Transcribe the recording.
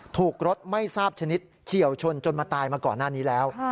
ถูกรถไม่ทราบชนิดเฉียวชนจนมาตายมาก่อนหน้านี้แล้ว